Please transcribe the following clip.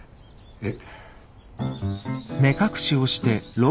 えっ？